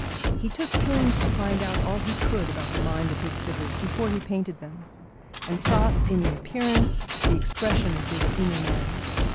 He took pains to find out all he could about the mind of his sitters before he painted them, and sought in the appearance the expression of this inner man.